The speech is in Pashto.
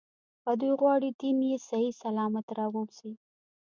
که دوی غواړي دین یې صحیح سلامت راووځي.